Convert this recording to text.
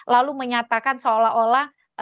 lalu menyatakan seolah olah